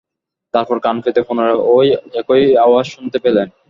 তারপর কান পেতে পুনরায় ঐ একই আওয়াজ শুনতে পেলেন।